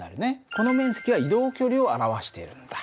この面積は移動距離を表しているんだ。